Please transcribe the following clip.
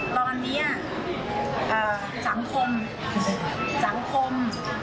ตอนนี้อ่า๓คม๓คม